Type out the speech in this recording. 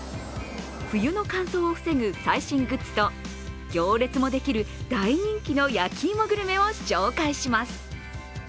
冬の乾燥を防ぐ最新グッズと行列もできる大人気の焼き芋グルメを紹介します。